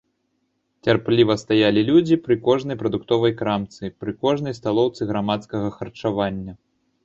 Цярпліва стаялі людзі пры кожнай прадуктовай крамцы, пры кожнай сталоўцы грамадскага харчавання.